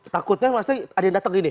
takutnya maksudnya ada yang datang gini